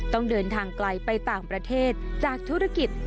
ต้องเดินทางไกลไปต่างประเทศจากธุรกิจ